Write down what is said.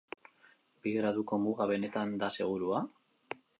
Bi graduko muga benetan da segurua?